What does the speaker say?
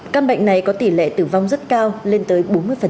căn bệnh này có tỷ lệ tử vong rất cao lên tới bốn mươi